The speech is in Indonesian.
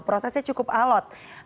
prosesnya cukup alat